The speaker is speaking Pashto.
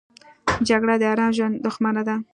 جګړه د آرام ژوند دښمنه ده